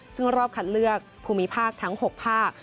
ซึ่งรอบคัดเลือกภูมิภาคทั้ง๖ภาค